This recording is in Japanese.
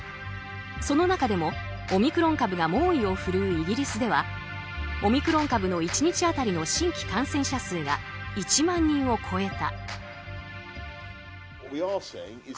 その中でもオミクロン株が猛威を振るうイギリスではオミクロン株の１日当たりの新規感染者数が１万人を超えた。